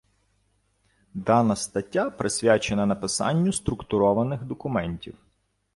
Дана стаття присвячена написанню структурованих документів.